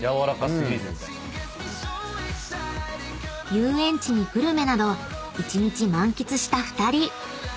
［遊園地にグルメなど一日満喫した２人］